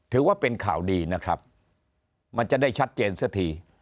ถือว่าเป็นข่าวดีนะครับมันจะได้ชัดเจนซะที